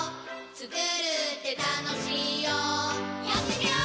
つくるってたのしいよやってみよー！